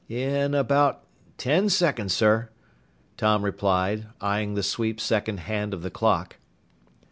"In about ten seconds, sir," Tom replied, eying the sweep second hand of the clock.